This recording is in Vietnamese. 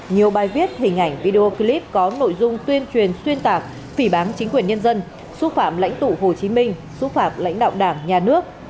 nhiều bài viết hình ảnh video clip có nội dung tuyên truyền xuyên tạc phỉ bám chính quyền nhân dân xúc phạm lãnh tụ hồ chí minh xúc phạm lãnh đạo đảng nhà nước